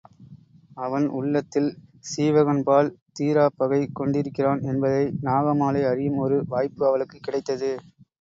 அவன் உள்ளத்தில் சீவகன்பால் தீராப்பகை கொண்டிருக்கிறான் என்பதை நாகமாலை அறியும் ஒரு வாய்ப்பு அவளுக்குக் கிடைத்தது.